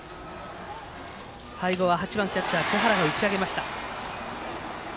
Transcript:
最後は８番キャッチャー小原が打ち上げました。